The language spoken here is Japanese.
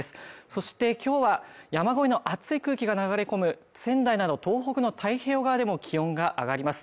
そして今日は山越えの暑い空気が流れ込む仙台など東北の太平洋側でも気温が上がります